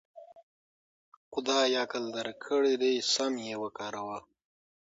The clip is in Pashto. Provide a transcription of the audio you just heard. خدای عقل درکړی دی سم يې وکاروه .